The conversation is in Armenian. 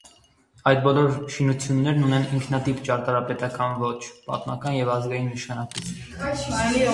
Այդ բոլոր շինություններն ունեն ինքնատիպ ճարտարապետական ոճ, պատմական և ազգային նշանակություն։